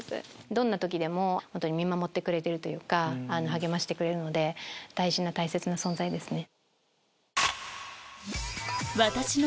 どんな時でも見守ってくれてるというか励ましてくれるので大事な大切な存在ですね。